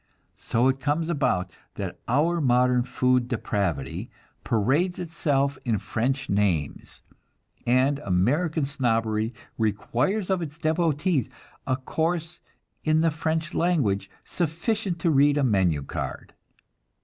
So it comes about that our modern food depravity parades itself in French names, and American snobbery requires of its devotees a course in the French language sufficient to read a menu card.